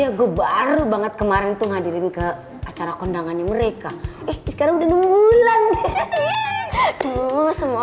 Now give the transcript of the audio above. iya enam bulan pernikahan andi sama pak bos